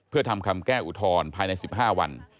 เพื่อทำคำแก้อุทธรณ์ภายใน๑๕วัน